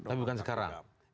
tapi bukan sekarang